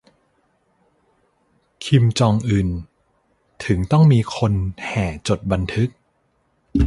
'คิมจองอึน' ถึงต้องมีคนแห่จดบันทึก